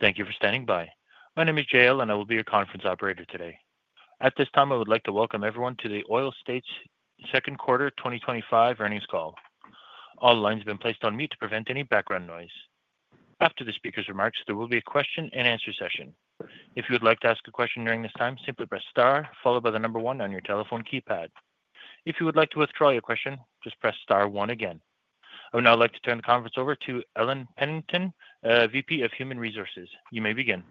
Thank you for standing by. My name is Jael and I will be your conference operator today. At this time, I would like to welcome everyone to the Oil States International Second Quarter 2025 earnings call. All lines have been placed on mute to prevent any background noise. After the speaker's remarks, there will be a question and answer session. If you would like to ask a question during this time, simply press star followed by the number one on your telephone keypad. If you would like to withdraw your question, just press star one again. I would now like to turn the conference over to Ellen Pennington, VP of Human Resources. You may begin.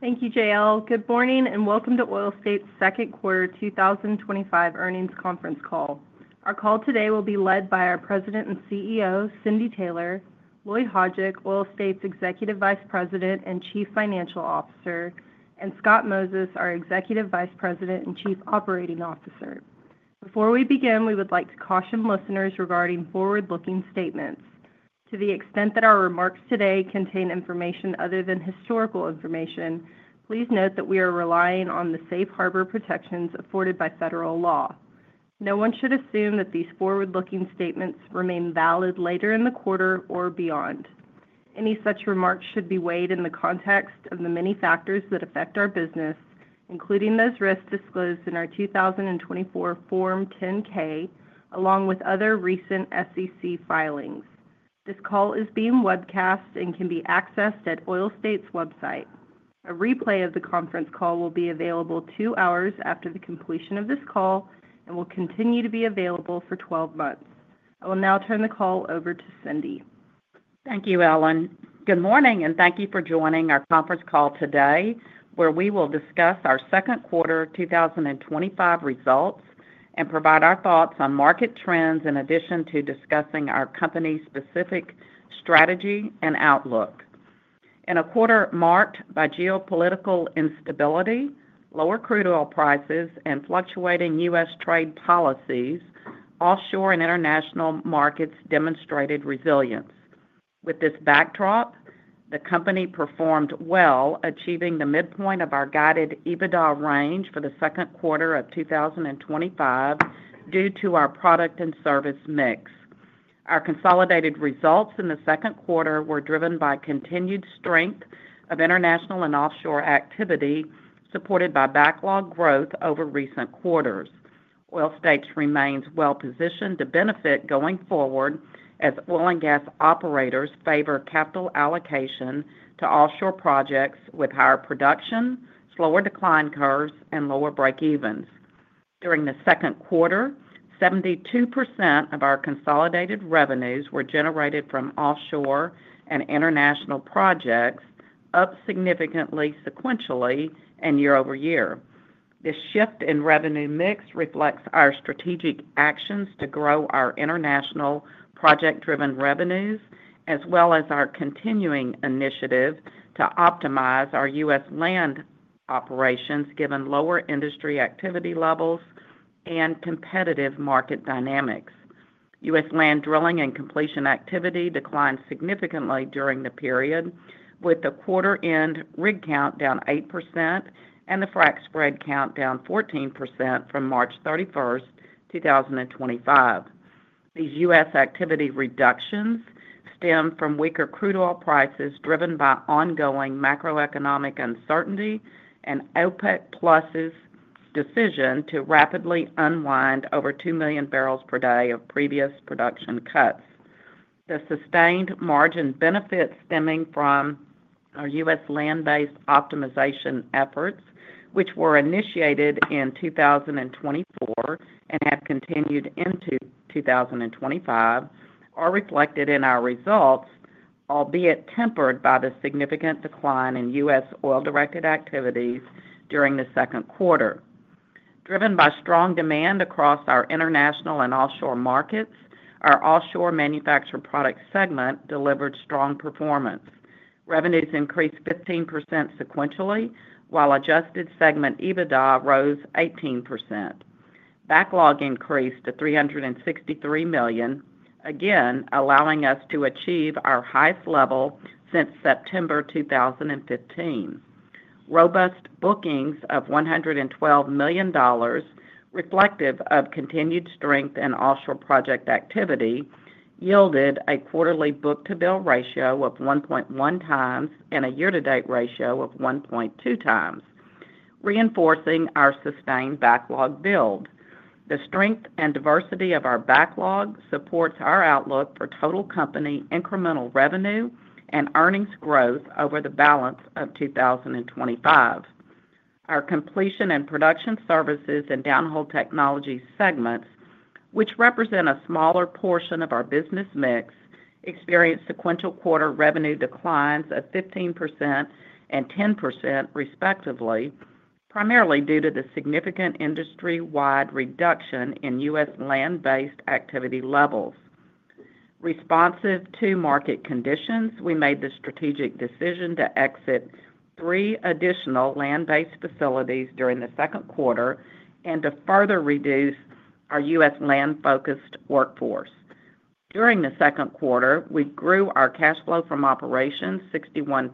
Thank you, Jael. Good morning and welcome to Oil States International Second Quarter 2025 earnings conference call. Our call today will be led by our President and CEO, Cindy Taylor, Lloyd Hajdik, Oil States International Executive Vice President and Chief Financial Officer, and Scott Moses, our Executive Vice President and Chief Operating Officer. Before we begin, we would like to caution listeners regarding forward-looking statements. To the extent that our remarks today contain information other than historical information, please note that we are relying on the safe harbor protections afforded by federal law. No one should assume that these forward-looking statements remain valid later in the quarter or beyond. Any such remarks should be weighed in the context of the many factors that affect our business, including those risks disclosed in our 2024 Form 10-K, along with other recent SEC filings. This call is being webcast and can be accessed at Oil States website. A replay of the conference call will be available two hours after the completion of this call and will continue to be available for 12 months. I will now turn the call over to Cindy. Thank you, Ellen. Good morning and thank you for joining our conference call today, where we will discuss our second quarter 2025 results and provide our thoughts on market trends in addition to discussing our company's specific strategy and outlook. In a quarter marked by geopolitical instability, lower crude oil prices, and fluctuating U.S. trade policies, offshore and international markets demonstrated resilience. With this backdrop, the company performed well, achieving the midpoint of our guided EBITDA range for the second quarter of 2025 due to our product and service mix. Our consolidated results in the second quarter were driven by continued strength of international and offshore activity, supported by backlog growth over recent quarters. Oil States remains well-positioned to benefit going forward as oil and gas operators favor capital allocation to offshore projects with higher production, slower decline curves, and lower break-evens. During the second quarter, 72% of our consolidated revenues were generated from offshore and international projects, up significantly sequentially and year over year. This shift in revenue mix reflects our strategic actions to grow our international project-driven revenues, as well as our continuing initiative to optimize our U.S. land operations, given lower industry activity levels and competitive market dynamics. U.S. land drilling and completion activity declined significantly during the period, with the quarter-end rig count down 8% and the frac spread count down 14% from March 31, 2025. These U.S. activity reductions stem from weaker crude oil prices driven by ongoing macroeconomic uncertainty and OPEC+'s decision to rapidly unwind over 2 million barrels per day of previous production cuts. The sustained margin benefits stemming from our U.S. land-based optimization efforts, which were initiated in 2024 and have continued into 2025, are reflected in our results, albeit tempered by the significant decline in U.S. oil-directed activities during the second quarter. Driven by strong demand across our international and offshore markets, our Offshore Manufactured Products segment delivered strong performance. Revenues increased 15% sequentially, while adjusted segment EBITDA rose 18%. Backlog increased to $363 million, again allowing us to achieve our highest level since September 2015. Robust bookings of $112 million, reflective of continued strength in offshore project activity, yielded a quarterly book-to-bill ratio of 1.1 times and a year-to-date ratio of 1.2 times, reinforcing our sustained backlog build. The strength and diversity of our backlog supports our outlook for total company incremental revenue and earnings growth over the balance of 2025. Our Completion and Production Services and Downhole Technologies segments, which represent a smaller portion of our business mix, experienced sequential quarter revenue declines of 15% and 10% respectively, primarily due to the significant industry-wide reduction in U.S. land-based activity levels. Responsive to market conditions, we made the strategic decision to exit three additional land-based facilities during the second quarter and to further reduce our U.S. land-focused workforce. During the second quarter, we grew our cash flow from operations 61%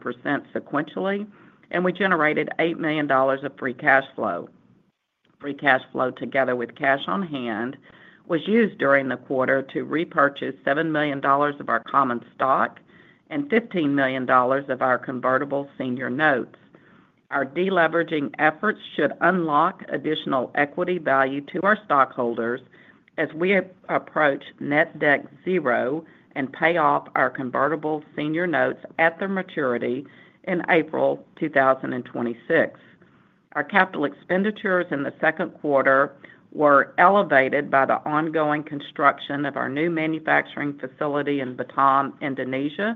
sequentially, and we generated $8 million of free cash flow. Free cash flow, together with cash on hand, was used during the quarter to repurchase $7 million of our common stock and $15 million of our convertible senior notes. Our deleveraging efforts should unlock additional equity value to our stockholders as we approach net debt zero and pay off our convertible senior notes at their maturity in April 2026. Our capital expenditures in the second quarter were elevated by the ongoing construction of our new manufacturing facility in Batam, Indonesia,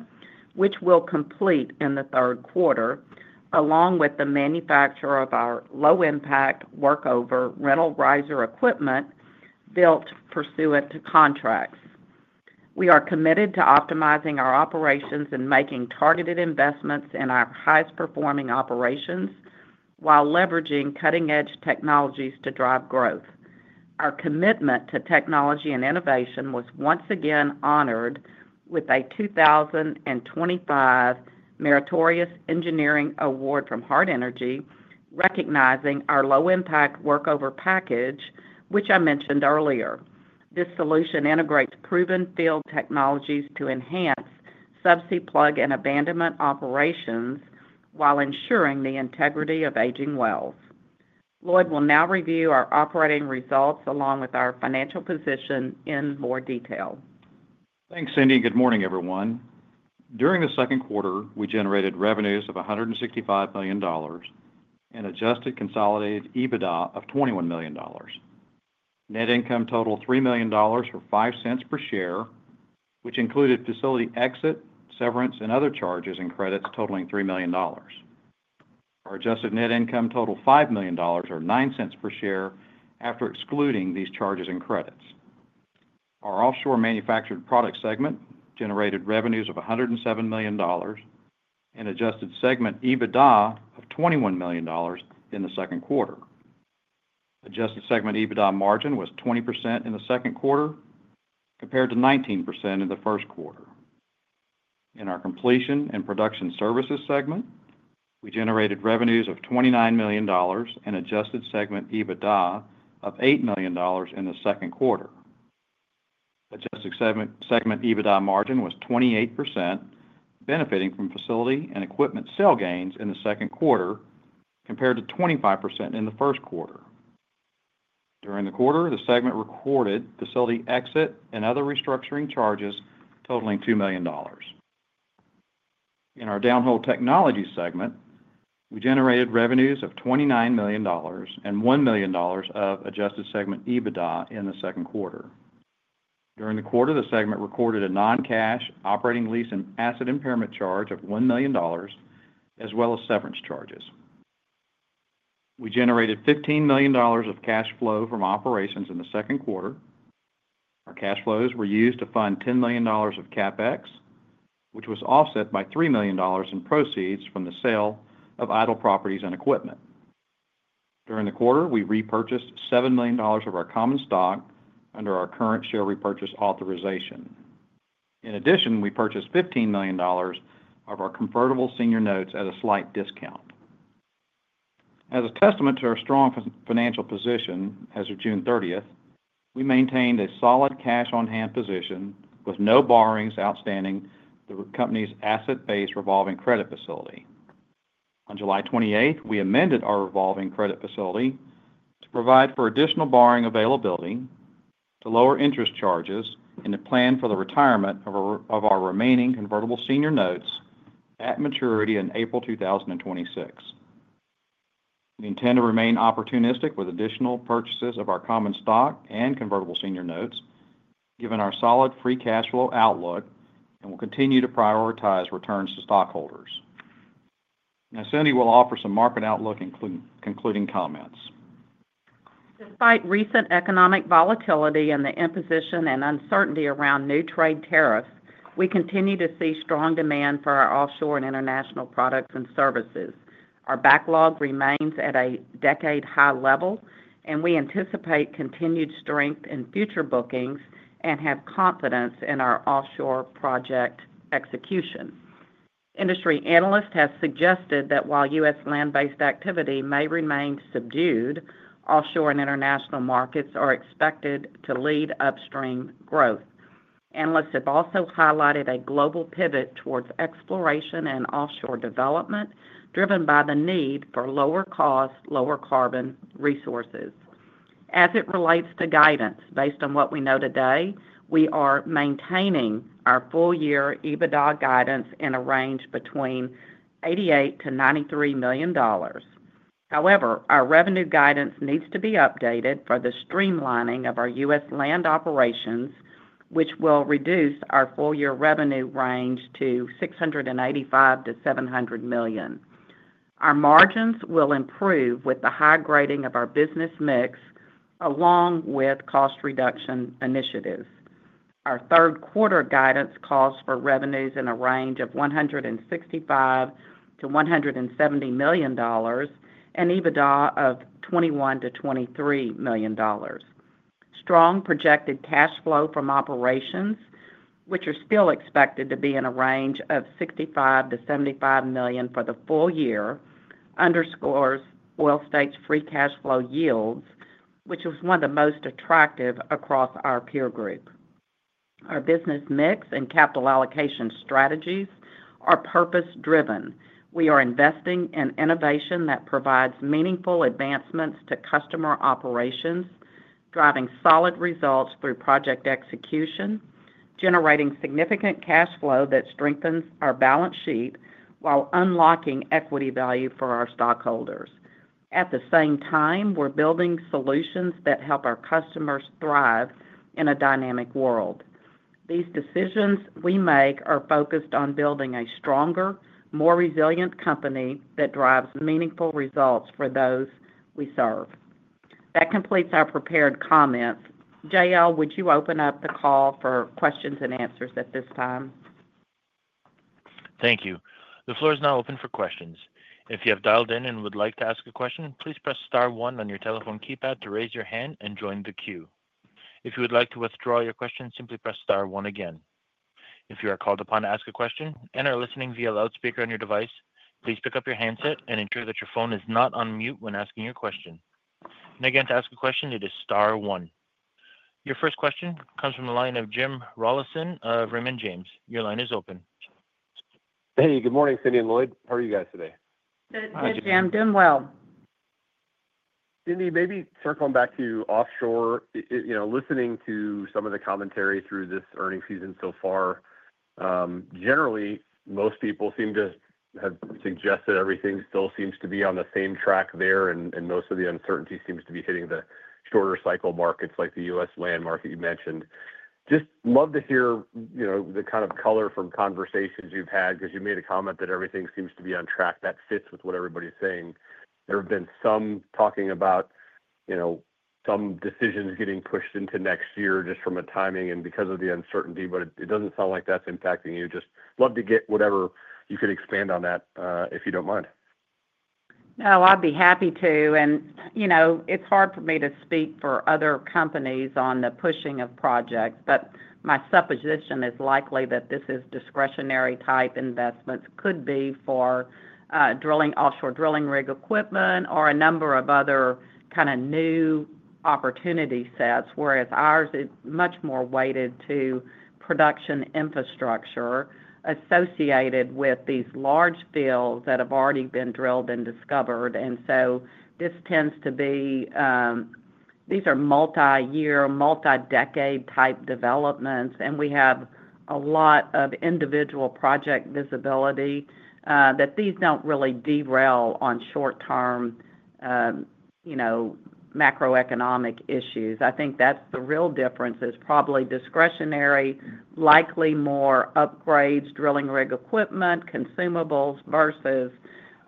which will complete in the third quarter, along with the manufacture of our low-impact workover rental riser equipment built pursuant to contracts. We are committed to optimizing our operations and making targeted investments in our highest performing operations while leveraging cutting-edge technologies to drive growth. Our commitment to technology and innovation was once again honored with a 2025 Meritorious Engineering Award from Hart Energy, recognizing our low-impact workover package, which I mentioned earlier. This solution integrates proven field technologies to enhance subsea plug and abandonment operations while ensuring the integrity of aging wells. Lloyd will now review our operating results along with our financial position in more detail. Thanks, Cindy, and good morning, everyone. During the second quarter, we generated revenues of $165 million and adjusted consolidated EBITDA of $21 million. Net income totaled $3 million or $0.05 per share, which included facility exit, severance, and other charges and credits totaling $3 million. Our adjusted net income totaled $5 million or $0.09 per share after excluding these charges and credits. Our Offshore Manufactured Products segment generated revenues of $107 million and adjusted segment EBITDA of $21 million in the second quarter. Adjusted segment EBITDA margin was 20% in the second quarter compared to 19% in the first quarter. In our Completion and Production Services segment, we generated revenues of $29 million and adjusted segment EBITDA of $8 million in the second quarter. Adjusted segment EBITDA margin was 28%, benefiting from facility and equipment sale gains in the second quarter compared to 25% in the first quarter. During the quarter, the segment recorded facility exit and other restructuring charges totaling $2 million. In our Downhole Technologies segment, we generated revenues of $29 million and $1 million of adjusted segment EBITDA in the second quarter. During the quarter, the segment recorded a non-cash operating lease and asset impairment charge of $1 million, as well as severance charges. We generated $15 million of cash flow from operations in the second quarter. Our cash flows were used to fund $10 million of CapEx, which was offset by $3 million in proceeds from the sale of idle properties and equipment. During the quarter, we repurchased $7 million of our common stock under our current share repurchase authorization. In addition, we purchased $15 million of our convertible senior notes at a slight discount. As a testament to our strong financial position as of June 30, we maintained a solid cash on hand position with no borrowings outstanding on the company's asset-based revolving credit facility. On July 28, we amended our revolving credit facility to provide for additional borrowing availability, to lower interest charges, and to plan for the retirement of our remaining convertible senior notes at maturity in April 2026. We intend to remain opportunistic with additional purchases of our common stock and convertible senior notes, given our solid free cash flow outlook, and will continue to prioritize returns to stockholders. Now, Cindy will offer some market outlook concluding comments. Despite recent economic volatility and the imposition and uncertainty around new trade tariffs, we continue to see strong demand for our offshore and international products and services. Our backlog remains at a decade-high level, and we anticipate continued strength in future bookings and have confidence in our offshore project execution. Industry analysts have suggested that while U.S. land-based activity may remain subdued, offshore and international markets are expected to lead upstream growth. Analysts have also highlighted a global pivot towards exploration and offshore development, driven by the need for lower cost, lower carbon resources. As it relates to guidance, based on what we know today, we are maintaining our full-year EBITDA guidance in a range between $88 million-$93 million. However, our revenue guidance needs to be updated for the streamlining of our U.S. land operations, which will reduce our full-year revenue range to $685 million-$700 million. Our margins will improve with the high grading of our business mix, along with cost reduction initiatives. Our third quarter guidance calls for revenues in a range of $165 million-$170 million and EBITDA of $21 million-$23 million. Strong projected cash flow from operations, which are still expected to be in a range of $65 million-$75 million for the full year, underscores Oil States' free cash flow yields, which is one of the most attractive across our peer group. Our business mix and capital allocation strategies are purpose-driven. We are investing in innovation that provides meaningful advancements to customer operations, driving solid results through project execution, generating significant cash flow that strengthens our balance sheet while unlocking equity value for our stockholders. At the same time, we're building solutions that help our customers thrive in a dynamic world. These decisions we make are focused on building a stronger, more resilient company that drives meaningful results for those we serve. That completes our prepared comments. Jael, would you open up the call for questions and answers at this time? Thank you. The floor is now open for questions. If you have dialed in and would like to ask a question, please press star one on your telephone keypad to raise your hand and join the queue. If you would like to withdraw your question, simply press star one again. If you are called upon to ask a question and are listening via loudspeaker on your device, please pick up your handset and ensure that your phone is not on mute when asking your question. To ask a question, it is star one. Your first question comes from the line of Jim Rawlison of Raymond James. Your line is open. Hey, good morning, Cindy and Lloyd. How are you guys today? Good, Jim, doing well. Cindy, maybe circling back to offshore, listening to some of the commentary through this earnings season so far, generally, most people seem to have suggested everything still seems to be on the same track there, and most of the uncertainty seems to be hitting the shorter cycle markets like the U.S. land market you mentioned. I'd just love to hear the kind of color from conversations you've had because you made a comment that everything seems to be on track that fits with what everybody's saying. There have been some talking about some decisions getting pushed into next year just from a timing and because of the uncertainty, but it doesn't sound like that's impacting you. I'd just love to get whatever you could expand on that if you don't mind. I'd be happy to. It's hard for me to speak for other companies on the pushing of projects, but my supposition is likely that this is discretionary type investments, could be for drilling offshore drilling rig equipment or a number of other kind of new opportunity sets, whereas ours is much more weighted to production infrastructure associated with these large fields that have already been drilled and discovered. This tends to be multi-year, multi-decade type developments, and we have a lot of individual project visibility that these don't really derail on short-term macroeconomic issues. I think that's the real difference, it's probably discretionary, likely more upgrades, drilling rig equipment, consumables versus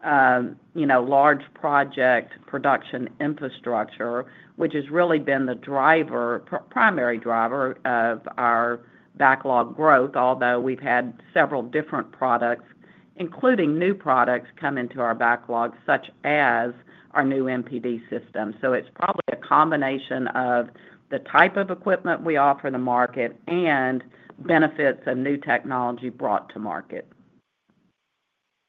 large project production infrastructure, which has really been the primary driver of our backlog growth, although we've had several different products, including new products, come into our backlog, such as our new MPD system.It's probably a combination of the type of equipment we offer to market and benefits of new technology brought to market.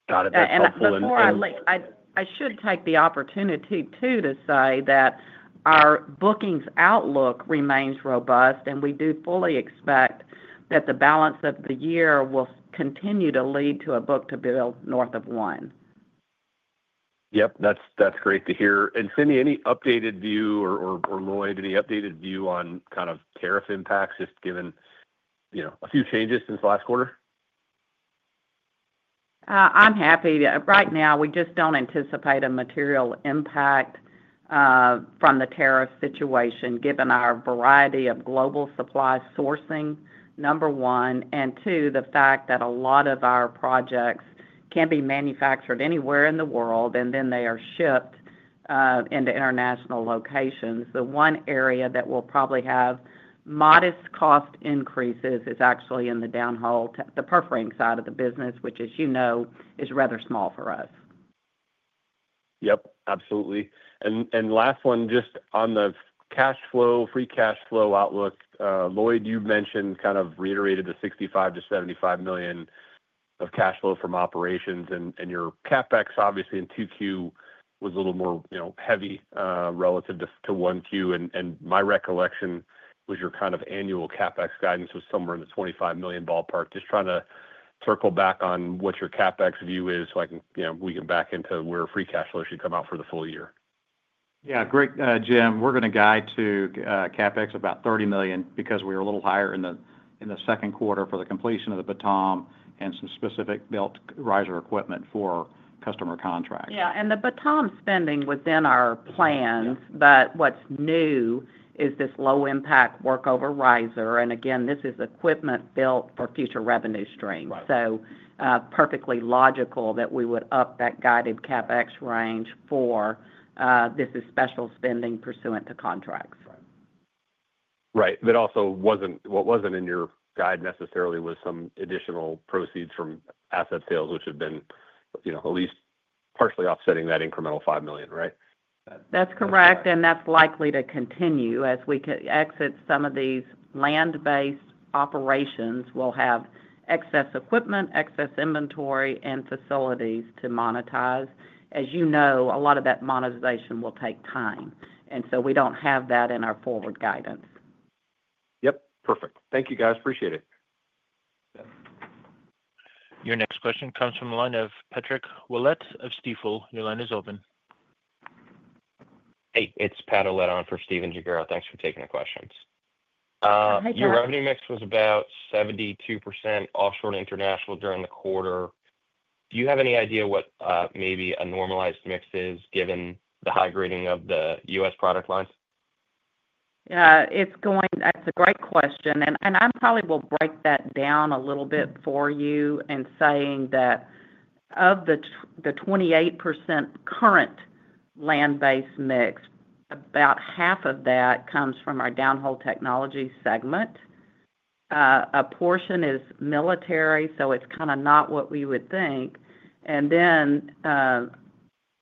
Got it. Before I leave, I should take the opportunity to say that our bookings outlook remains robust, and we do fully expect that the balance of the year will continue to lead to a book-to-bill north of one. That's great to hear. Cindy, any updated view or Lloyd, any updated view on kind of tariff impacts just given a few changes since the last quarter? I'm happy. Right now, we just don't anticipate a material impact from the tariff situation given our variety of global supply sourcing, number one, and two, the fact that a lot of our projects can be manufactured anywhere in the world, and then they are shipped into international locations. The one area that will probably have modest cost increases is actually in the Downhole Technologies, the perforating side of the business, which, as you know, is rather small for us. Yep, absolutely. Last one, just on the cash flow, free cash flow outlook, Lloyd, you mentioned kind of reiterated the $65 million to $75 million of cash flow from operations, and your CapEx obviously in Q2 was a little more, you know, heavy relative to Q1. My recollection was your kind of annual CapEx guidance was somewhere in the $25 million ballpark. Just trying to circle back on what your CapEx view is so I can, you know, we can back into where free cash flow should come out for the full year. Yeah, great, Jim. We're going to guide to CapEx about $30 million because we were a little higher in the second quarter for the completion of the Batam and some specific built riser equipment for customer contracts. Yeah, and the Batam spending was in our plans, but what's new is this low-impact workover riser, and again, this is equipment built for future revenue streams. It is perfectly logical that we would up that guided CapEx range for this is special spending pursuant to contracts. Right. That also wasn't what was in your guide necessarily, was some additional proceeds from asset sales, which have been at least partially offsetting that incremental $5 million, right? That's correct, and that's likely to continue as we exit some of these land-based operations. We'll have excess equipment, excess inventory, and facilities to monetize. As you know, a lot of that monetization will take time, and we don't have that in our forward guidance. Yep, perfect. Thank you, guys. Appreciate it. Your next question comes from the line of Patrick Ouellette of Stifel. Your line is open. Hey, it's Pat O'Leod on for Steve and Jagero. Thanks for taking the questions. Your revenue mix was about 72% offshore and international during the quarter. Do you have any idea what maybe a normalized mix is given the high grading of the U.S. product lines? Yeah, it's going, that's a great question, and I probably will break that down a little bit for you in saying that of the 28% current land-based mix, about half of that comes from our Downhole Technologies segment. A portion is military, so it's kind of not what we would think.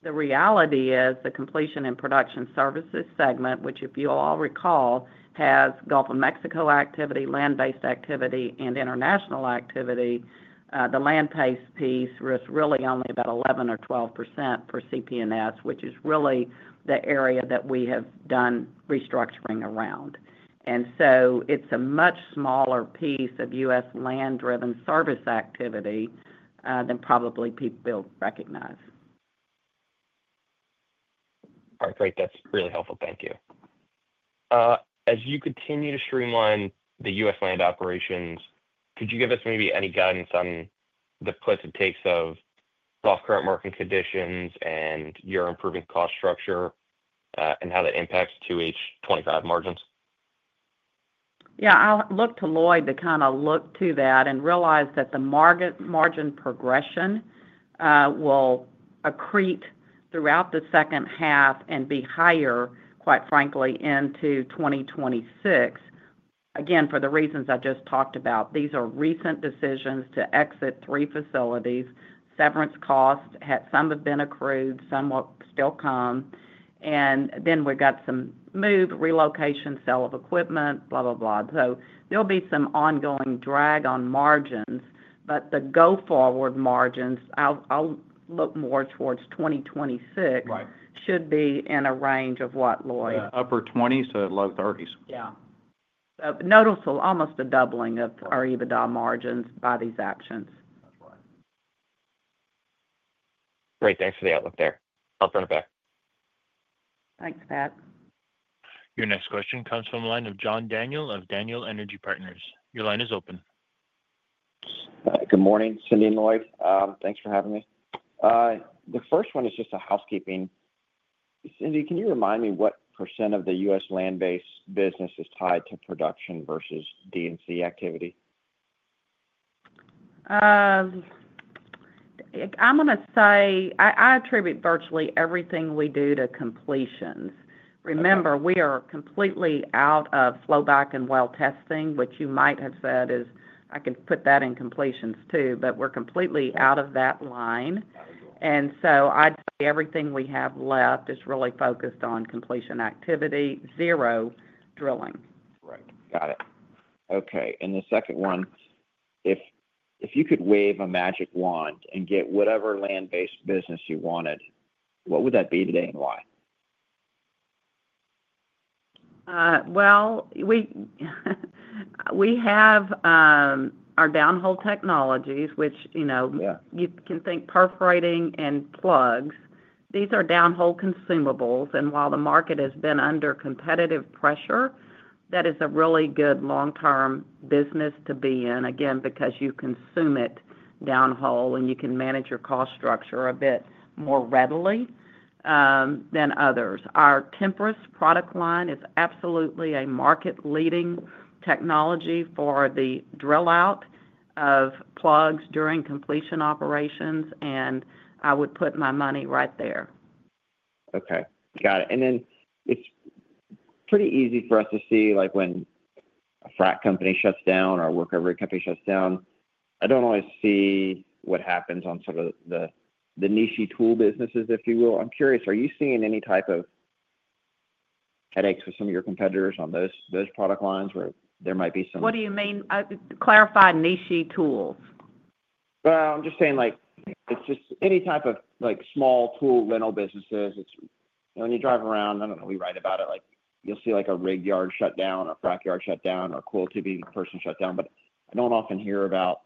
The reality is the Completion and Production Services segment, which if you all recall has Gulf of Mexico activity, land-based activity, and international activity. The land-based piece was really only about 11% or 12% per CPNS, which is really the area that we have done restructuring around. It's a much smaller piece of U.S. land-driven service activity than probably people recognize. All right, great. That's really helpful. Thank you. As you continue to streamline the U.S. land operations, could you give us maybe any guidance on the puts and takes of current market conditions and your improving cost structure and how that impacts 2H 2025 margins? Yeah, I'll look to Lloyd to kind of look to that and realize that the margin progression will accrete throughout the second half and be higher, quite frankly, into 2026. Again, for the reasons I just talked about, these are recent decisions to exit three facilities. Severance costs, some have been accrued, some will still come. We've got some move, relocation, sale of equipment, blah, blah, blah. There'll be some ongoing drag on margins, but the go-forward margins, I'll look more towards 2026, should be in a range of what, Lloyd? Upper 20s to low 30s. Yeah, noticeable, almost a doubling of our EBITDA margins by these actions. Great. Thanks for the outlook there. I'll turn it back. Thanks, Pat. Your next question comes from the line of John Daniel of Daniel Energy Partners. Your line is open. Good morning, Cindy and Lloyd. Thanks for having me. The first one is just a housekeeping. Cindy, can you remind me what % of the U.S. land-based business is tied to production vs. D&C activity? I'm going to say I attribute virtually everything we do to completions. Remember, we are completely out of flowback and well testing, which you might have said is I can put that in completions too, but we're completely out of that line. I'd say everything we have left is really focused on completion activity, zero drilling. Right. Got it. Okay. If you could wave a magic wand and get whatever land-based business you wanted, what would that be today and why? We have our Downhole Technologies, which, you know, you can think perforating and plugs. These are downhole consumables. While the market has been under competitive pressure, that is a really good long-term business to be in, again, because you consume it downhole and you can manage your cost structure a bit more readily than others. Our Tempuris product line is absolutely a market-leading technology for the drill-out of plugs during completion operations, and I would put my money right there. Okay. Got it. It's pretty easy for us to see, like when a frac company shuts down or a workover rig company shuts down. I don't always see what happens on some of the niche tool businesses, if you will. I'm curious, are you seeing any type of headaches with some of your competitors on those product lines where there might be some? What do you mean? Clarify niche tools. I'm just saying, like, it's just any type of, like, small tool rental businesses. It's, you know, when you drive around, I don't know, we write about it, like, you'll see, like, a rig yard shut down or a frac yard shut down or a coil tubing person shut down, but you don't often hear about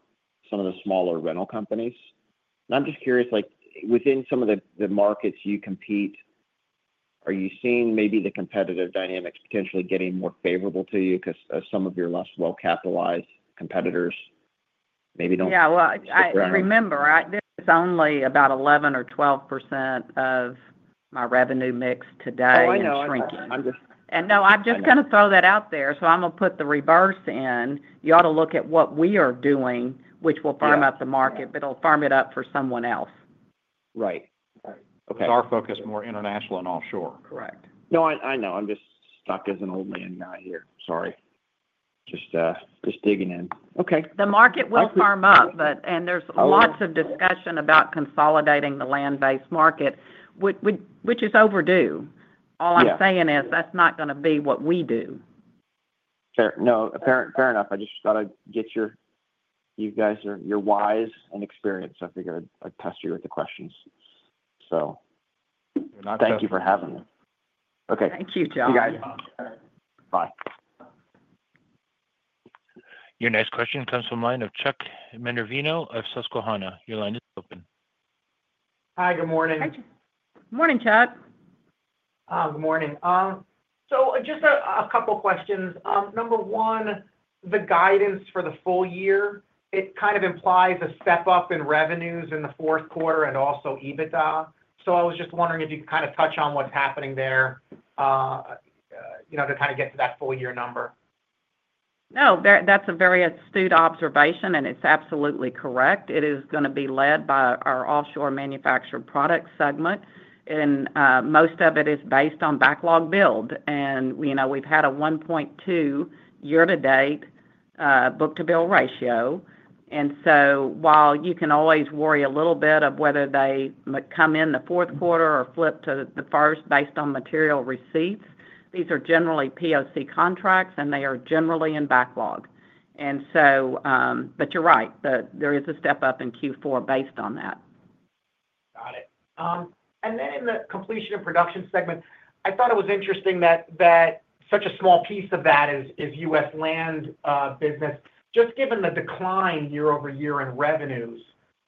some of the smaller rental companies. I'm just curious, like, within some of the markets you compete, are you seeing maybe the competitive dynamics potentially getting more favorable to you because some of your less well-capitalized competitors maybe don't? Yeah, remember, there's only about 11% or 12% of my revenue mix today shrinking. I'm just going to throw that out there. I'm going to put the reverse in. You ought to look at what we are doing, which will farm up the market, but it'll farm it up for someone else. Because our focus is more international and offshore, correct? No, I know. I'm just stuck as an old man now here. Sorry. Just digging in. Okay. The market will firm up, and there's lots of discussion about consolidating the land-based market, which is overdue. All I'm saying is that's not going to be what we do. Fair enough. I just got to get your whys and experience. I figured I'd test you with the questions. Thank you for having me. Okay. Thank you, John. You guys as well. Bye. Your next question comes from the line of Charles Minervino of Susquehanna. Your line is open. Hi, good morning. Thank you. Good morning, Charles. Good morning. Just a couple of questions. Number one, the guidance for the full year, it kind of implies a step up in revenues in the fourth quarter and also EBITDA. I was just wondering if you could kind of touch on what's happening there, you know, to kind of get to that full-year number. No, that's a very astute observation, and it's absolutely correct. It is going to be led by our Offshore Manufactured Products segment, and most of it is based on backlog build. We've had a 1.2 year-to-date book-to-bill ratio. While you can always worry a little bit about whether they come in the fourth quarter or flip to the first based on material receipts, these are generally POC contracts, and they are generally in backlog. You're right, there is a step up in Q4 based on that. Got it. In the Completion and Production Services segment, I thought it was interesting that such a small piece of that is U.S. land business, just given the decline year-over-year in revenues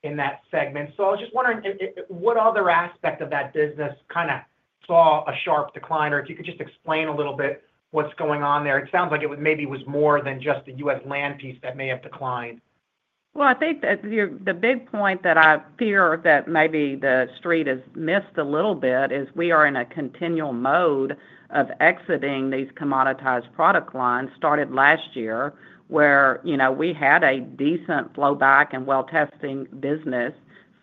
in that segment. I was just wondering what other aspect of that business kind of saw a sharp decline, or if you could just explain a little bit what's going on there. It sounds like it maybe was more than just the U.S. land piece that may have declined. I think that the big point that I fear that maybe the street has missed a little bit is we are in a continual mode of exiting these commoditized product lines started last year where, you know, we had a decent flowback and well-testing business,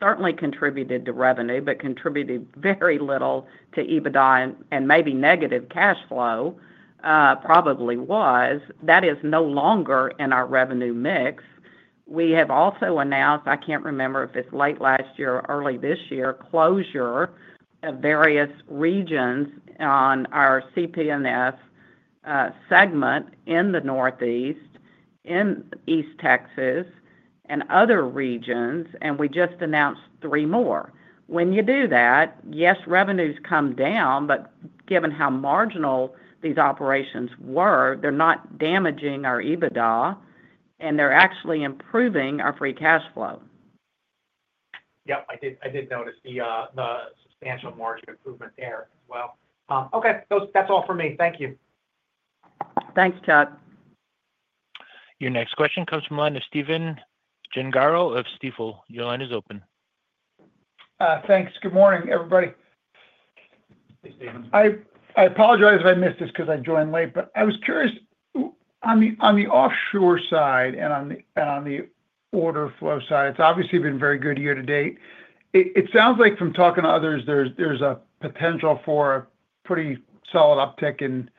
certainly contributed to revenue, but contributed very little to EBITDA and maybe negative cash flow, probably was. That is no longer in our revenue mix. We have also announced, I can't remember if it's late last year or early this year, closure of various regions on our Completion and Production Services segment in the Northeast, in East Texas, and other regions, and we just announced three more. When you do that, yes, revenues come down, but given how marginal these operations were, they're not damaging our EBITDA, and they're actually improving our free cash flow. Yep, I did notice the substantial margin improvement there as well. Okay, that's all for me. Thank you. Thanks, Charles. Your next question comes from the line of Stephen Gengaro of Stifel. Your line is open. Thanks. Good morning, everybody. I apologize if I missed this because I joined late, but I was curious, on the offshore side and on the order flow side, it's obviously been very good year to date. It sounds like from talking to others, there's a potential for a pretty solid uptick in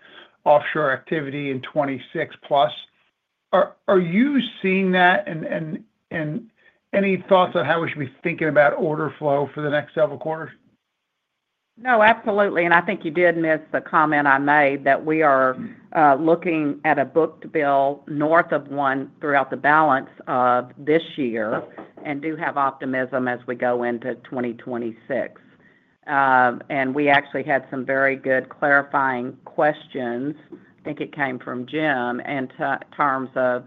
offshore activity in 2026 plus. Are you seeing that and any thoughts on how we should be thinking about order flow for the next several quarters? No, absolutely. I think you did miss the comment I made that we are looking at a book-to-bill north of one throughout the balance of this year and do have optimism as we go into 2026. We actually had some very good clarifying questions. I think it came from Jim in terms of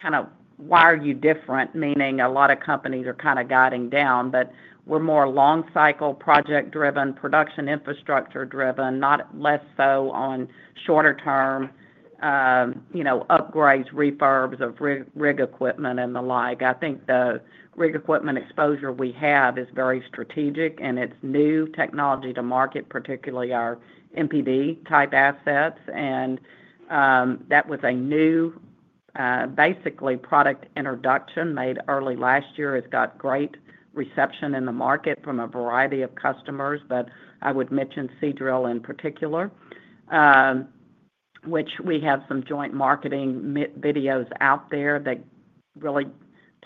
kind of why are you different, meaning a lot of companies are kind of guiding down, but we're more long-cycle project-driven, production infrastructure-driven, less so on shorter-term, you know, upgrades, refurbs of rig equipment and the like. I think the rig equipment exposure we have is very strategic, and it's new technology to market, particularly our MPD-type assets. That was a new, basically, product introduction made early last year. It's got great reception in the market from a variety of customers, but I would mention SeaDrill in particular, which we have some joint marketing videos out there that really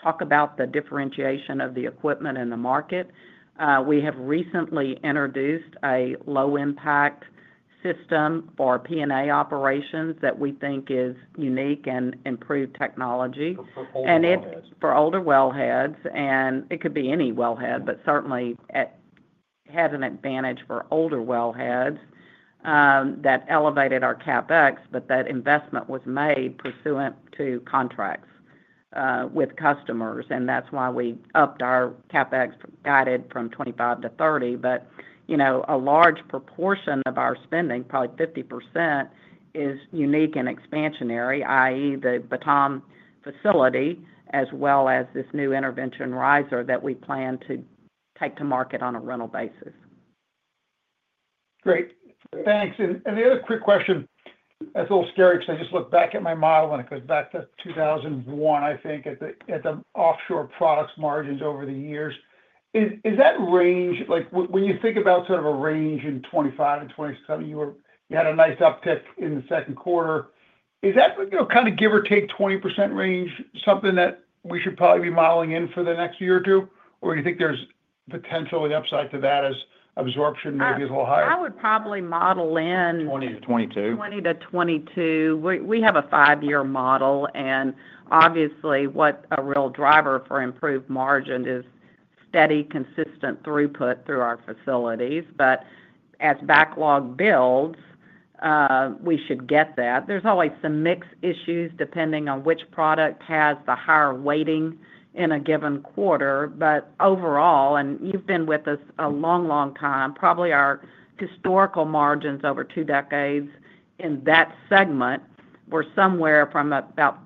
talk about the differentiation of the equipment in the market. We have recently introduced a low-impact system for P&A operations that we think is unique and improved technology. It's for older wellheads, and it could be any wellhead, but certainly had an advantage for older wellheads that elevated our CapEx, but that investment was made pursuant to contracts with customers. That's why we upped our CapEx guided from $25 million to $30 million. A large proportion of our spending, probably 50%, is unique and expansionary, i.e., the Batam facility, as well as this new intervention riser that we plan to take to market on a rental basis. Great. Thanks. The other quick question, it's a little scary because I just look back at my model and it goes back to 2001, I think, at the Offshore Manufactured Products margins over the years. Is that range, like when you think about sort of a range in 2025 and 2026, you had a nice uptick in the second quarter. Is that, you know, kind of give or take 20% range, something that we should probably be modeling in for the next year or two, or do you think there's potentially an upside to that as absorption maybe is a little higher? I would probably model in 2020-2022. We have a five-year model, and obviously, what a real driver for improved margin is steady, consistent throughput through our facilities. As backlog builds, we should get that. There's always some mix issues depending on which product has the higher weighting in a given quarter. Overall, and you've been with us a long, long time, probably our historical margins over two decades in that segment were somewhere from about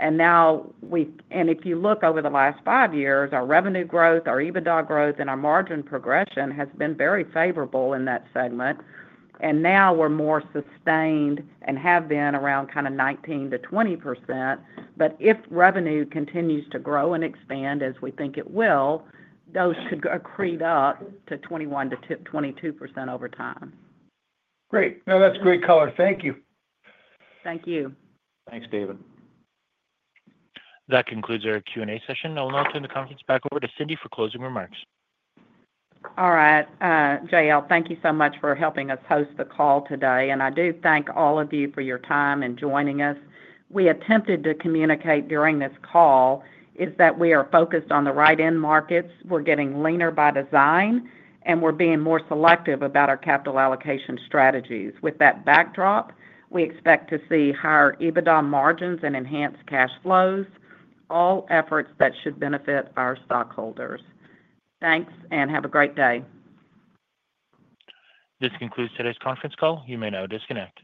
13%-17%. If you look over the last five years, our revenue growth, our EBITDA growth, and our margin progression has been very favorable in that segment. Now we're more sustained and have been around kind of 19%-20%. If revenue continues to grow and expand, as we think it will, those should accrete up to 21%-22% over time. Great. No, that's great color. Thank you. Thank you. Thanks, Stephen.That concludes our Q&A session. I will now turn the conference back over to Cindy for closing remarks. All right. Jael, thank you so much for helping us host the call today. I do thank all of you for your time and joining us. What we attempted to communicate during this call is that we are focused on the right end markets. We're getting leaner by design, and we're being more selective about our capital allocation strategies. With that backdrop, we expect to see higher EBITDA margins and enhanced cash flows, all efforts that should benefit our stockholders. Thanks, and have a great day. This concludes today's conference call. You may now disconnect.